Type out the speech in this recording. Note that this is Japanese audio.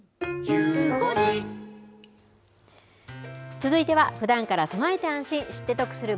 続いては、ふだんから備えて安心、知って得する！